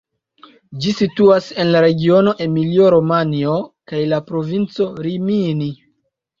Ĝi situas en la regiono Emilio-Romanjo kaj la provinco Rimini.